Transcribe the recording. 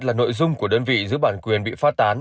là nội dung của đơn vị giữ bản quyền bị phát tán